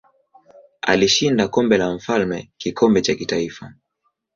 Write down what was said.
Alishinda Kombe la Mfalme kikombe cha kitaifa.